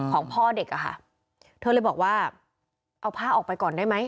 ของพ่อเด็กอะค่ะเธอเลยบอกว่าเอาผ้าออกไปก่อนได้ไหม